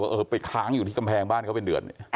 เออไปค้างอยู่ที่กำแพงบ้านเขาเป็นเดือนเนี่ย